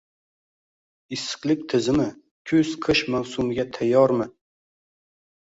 Issiqlik tizimi kuz-qish mavsumiga tayyormi?ng